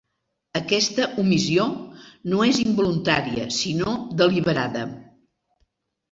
Aquesta omissió no és involuntària, sinó deliberada.